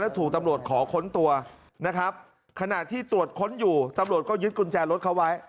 ถูกตำรวจขอค้นตัวนะครับขณะที่ตรวจค้นอยู่ตำรวจก็ยึดกุญแจรถเขาไว้